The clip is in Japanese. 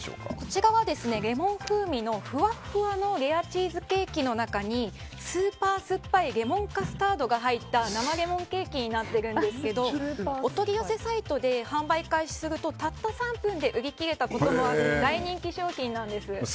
内側、レモン風味のふわふわのレアチーズケーキの中にスーパーすっぱいレモンカスタードが入った生レモンケーキになっているんですけどお取り寄せサイトで販売開始するとたった３分で売り切れたこともある大人気商品なんです。